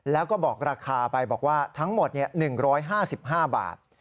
แล้วก็บอกราคาไปบอกว่าทั้งหมด๑๕๕บาท